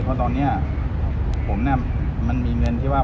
เพราะตอนนี้ผมเนี่ยมันมีเงินที่ว่า